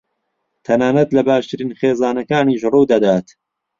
تەنانەت لە باشترین خێزانەکانیش ڕوودەدات.